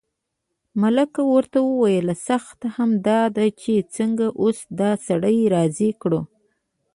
ملک ورته وویل سخته همدا ده چې څنګه اوس دا سړی راضي کړو.